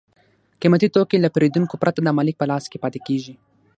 قیمتي توکي له پېرودونکو پرته د مالک په لاس کې پاتې کېږي